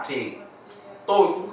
thì tôi cũng